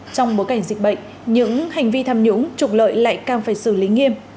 trong bối cảnh dịch bệnh những hành vi tham nhũng trục lợi lại càng phải xử lý nghiêm